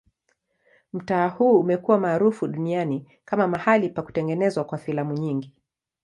Mtaa huu umekuwa maarufu duniani kama mahali pa kutengenezwa kwa filamu nyingi.